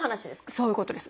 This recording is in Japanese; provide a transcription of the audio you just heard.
そういうことです。